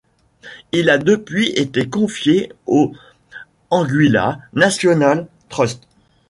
Il a depuis été confié au Anguilla National Trust.